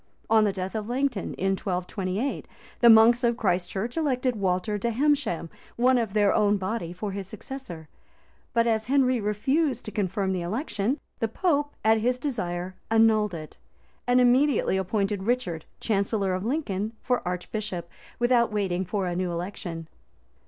On the death of Langton, in 1228, the monks of Christ church elected Walter de Hemesham, one of their own body, for his successor: but as Henry refused to confirm the election, the pope, at his desire, annulled it;[] and immediately appointed Richard, chancellor of Lincoln, for archbishop, without waiting for a new election.